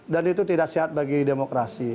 dan itu tidak sehat bagi demokrasi